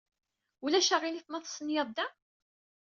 Ulac aɣilif ma testenyaḍ da?